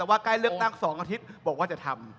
ว่าใกล้เลือกตั้ง๒อาทิตย์บอกว่าจะทำ